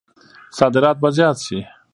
صادرات به زیات شي؟